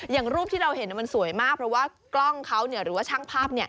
อย่างรูปที่เราเห็นมันสวยมากเพราะว่ากล้องเขาหรือว่าช่างภาพ